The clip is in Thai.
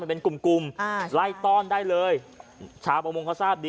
มันเป็นกุ่มไล่ต้อนได้เลยชาวประมงเขาทราบดี